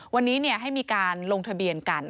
วันนี้ให้มีการลงทะเบียนกัน